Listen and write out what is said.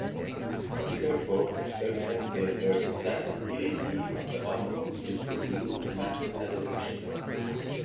Sibthorpe felt that "the versatility of the album will produce mass adoration".